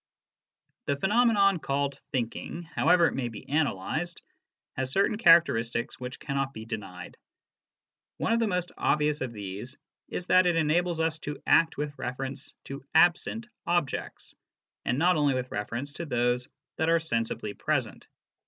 The phenomenon called "thinking," however it may be analysed, has certain characteristics which cannot be denied. One of the most obvious of these is that it enables us to act with reference to absent objects, and not only with reference to those that are sensibly present.